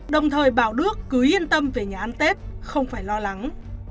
đồng thời bảo đước cứ yên tâm về nhà ăn tết không phải lo lắng